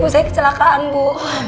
saya kecelakaan bu